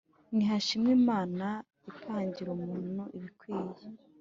nihashimwe imana ipandira umuntu ibikwiye